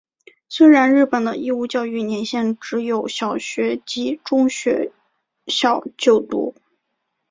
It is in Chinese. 虽然日本的义务教育年限只有小学及中学校就读。